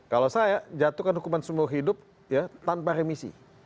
kalau saya jatuhkan hukuman seumur hidup ya tanpa remisi